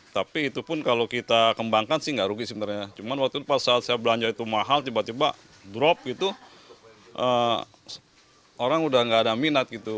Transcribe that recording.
tapi itu pun kalau kita kembangkan sih tidak akan berhasil mengembangkan tanaman mahal